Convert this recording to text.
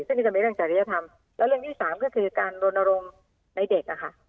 ซึ่งจะมีเรื่องจริยธรรมแล้วเรื่องที่สามก็คือการโรนโรมในเด็กอะค่ะ